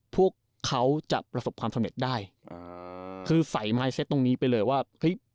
พวกเขาจะประสบความสำเร็จได้อ่าคือใส่ไม้เซ็ตตรงนี้ไปเลยว่าเฮ้ย